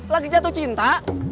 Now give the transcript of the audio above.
lagi jatuh cinta